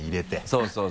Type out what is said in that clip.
そうそう。